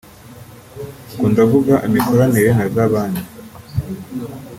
ubwo ndavuga imikoranire na za banki